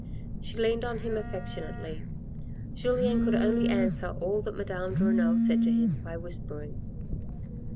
She leaned on him affectionately. Julien could only answer all that Madame de Renal said to him by whispering.